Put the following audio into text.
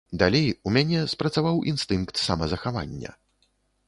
Далей у мяне спрацаваў інстынкт самазахавання.